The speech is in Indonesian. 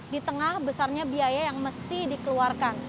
di tengah besarnya biaya yang mesti dikeluarkan